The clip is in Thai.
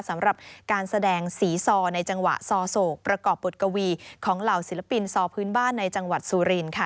สำหรับการแสดงสีซอในจังหวะซอโศกประกอบบทกวีของเหล่าศิลปินซอพื้นบ้านในจังหวัดสุรินค่ะ